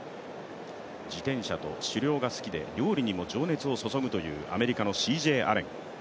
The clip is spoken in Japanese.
自転車と狩猟が好きで料理にも情熱を注ぐというアメリカのＣＪ・アレン。